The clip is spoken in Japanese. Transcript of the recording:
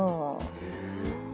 へえ。